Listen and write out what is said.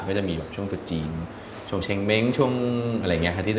ก็จะมีช่วงตัวจีนช่วงเชงเม็ร์งช่วงอะไรอย่างนี้ค่ะ